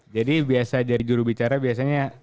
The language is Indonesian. jadi biasa dari dulu bicara biasanya